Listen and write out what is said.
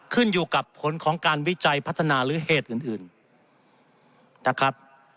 ขึ้นอยู่กับผลของการวิจัยพัฒนาหรือเหตุอื่นนะครับ